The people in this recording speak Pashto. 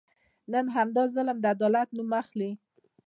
نن همدا ظلم د عدالت نوم اخلي.